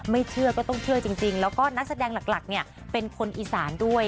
เชื่อก็ต้องเชื่อจริงแล้วก็นักแสดงหลักเนี่ยเป็นคนอีสานด้วย